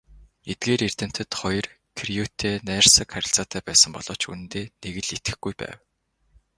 Эдгээр эрдэмтэд хоёр Кюретэй найрсаг харилцаатай байсан боловч үнэндээ нэг л итгэхгүй байв.